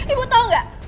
ibu tau gak